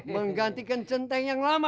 menggantikan centeng yang lama